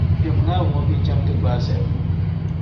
Kpɛm ŋarim ŋɔ ka yi chaŋ ti gbaai zahim.